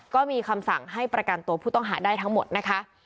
ก็มีคำสั่งให้ประกันตัวผู้ต้องหาได้ทั้งหมดนะคะ